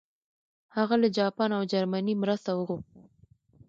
هغه له جاپان او جرمني مرسته وغوښته.